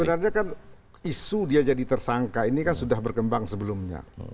sebenarnya kan isu dia jadi tersangka ini kan sudah berkembang sebelumnya